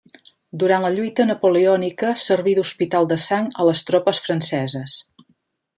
Durant la lluita napoleònica serví d'hospital de sang a les tropes franceses.